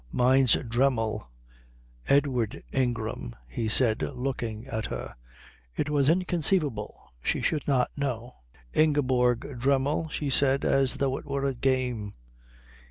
Mine's Dremmel." "Edward Ingram," he said, looking at her. It was inconceivable she should not know. "Ingeborg Dremmel," she said, as though it were a game.